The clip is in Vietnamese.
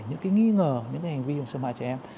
những nghi ngờ những hành vi xâm hại trẻ em